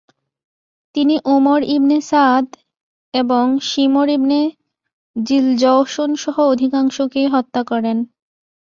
তিনি Umar ibn Saad এবং Shimr ibn জিলজওশনসহ অধিকাংশকেই হত্যা করেন।